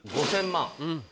５０００万